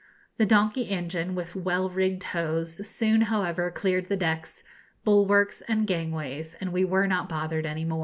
The donkey engine, with well rigged hose, soon, however, cleared the decks, bulwarks, and gangways, and we were not bothered any more.